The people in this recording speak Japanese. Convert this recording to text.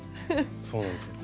そうなんですよ。